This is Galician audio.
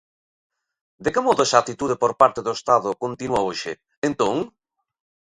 De que modo esa actitude por parte do Estado continúa hoxe, entón?